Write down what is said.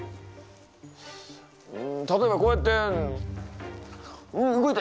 例えばこうやって動いて。